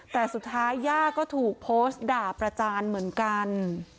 แต่สุดท้ายย่าก็ถูกโพสต์ด่าประจานเหมือนกัน